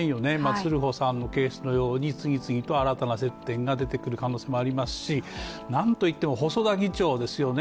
鶴保さんのケースのように次々と新たな接点が出てくる可能性もありますし、何といっても細田議長ですよね。